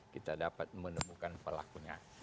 kita dapat menemukan pelakunya